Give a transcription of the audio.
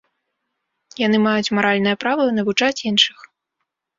Яны маюць маральнае права навучаць іншых.